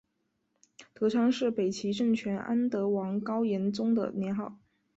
德昌是北齐政权安德王高延宗的年号。